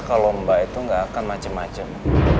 kalo mbak itu nggak akan macem macem